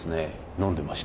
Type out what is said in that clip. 飲んでまして。